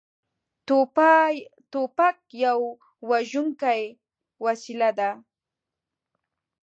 توپک یوه وژونکې وسلې ده.